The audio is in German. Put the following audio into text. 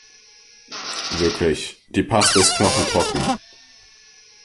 Wirklich, die Paste ist knochentrocken.